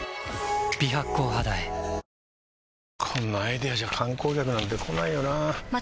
こんなアイデアじゃ観光客なんて来ないよなあ